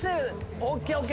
ＯＫＯＫ。